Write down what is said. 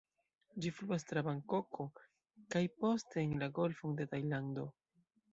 Ĝi fluas tra Bankoko kaj poste en la Golfon de Tajlando.